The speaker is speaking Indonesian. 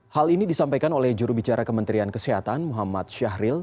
hal ini disampaikan oleh jurubicara kementerian kesehatan muhammad syahril